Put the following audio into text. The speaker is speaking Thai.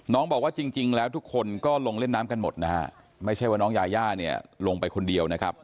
บอกว่าจริงแล้วทุกคนก็ลงเล่นน้ำกันหมดนะฮะไม่ใช่ว่าน้องยาย่าเนี่ยลงไปคนเดียวนะครับ